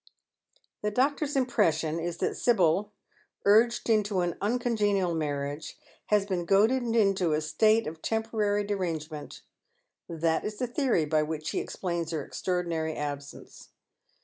The doctor's impression is that Sibyl, urged into an uncon genial marriage, has been goaded into a state of temporary derangement. That is the theory by which he explains her extraordinary absence.